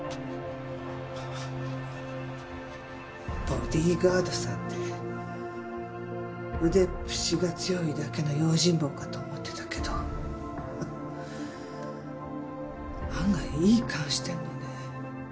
ボディーガードさんって腕っ節が強いだけの用心棒かと思ってたけど案外いい勘してるのね。